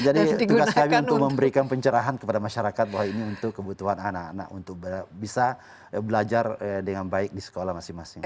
jadi tugas kami untuk memberikan pencerahan kepada masyarakat bahwa ini untuk kebutuhan anak anak untuk bisa belajar dengan baik di sekolah masing masing